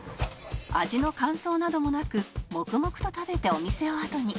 味の感想などもなく黙々と食べてお店をあとに